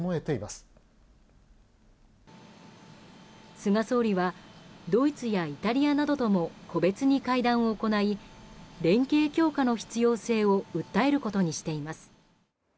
菅総理はドイツやイタリアなどとも個別に会談を行い連携強化の必要性を訴えることにしています。